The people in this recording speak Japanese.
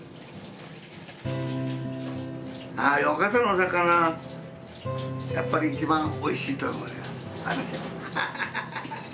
あ若狭の魚やっぱり一番おいしいと思います。